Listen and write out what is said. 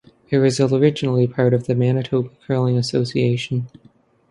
It was originally part of the Manitoba Curling Association.